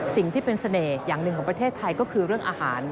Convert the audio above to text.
สิ่งที่เป็นเสน่ห์อย่างหนึ่งของประเทศไทยก็คือเรื่องอาหาร